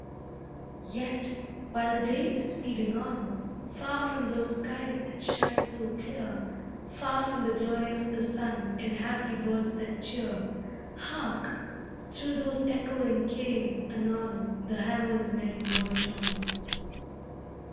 Yet, while the day is speeding on, Far from those skies that shine so clear, Far from the glory of the sun And happy birds that cheer Hark! through those echoing caves, anon The hammer's merry monotone.